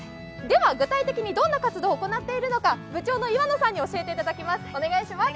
具体的にどんな活動を行っているのか部長の岩野さんに教えていだたきます。